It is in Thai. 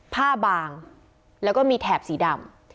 บางแล้วก็มีแถบสีดำ